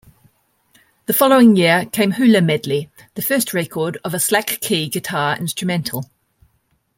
The following year came "Hula Medley," the first record of a slack-key guitar instrumental.